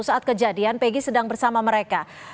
saat kejadian peggy sedang bersama mereka